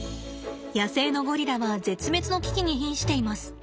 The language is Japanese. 野生のゴリラは絶滅の危機にひんしています。